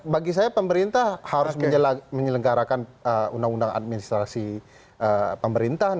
bagi saya pemerintah harus menyelenggarakan undang undang administrasi pemerintahan